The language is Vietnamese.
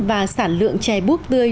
và sản lượng trè bút tươi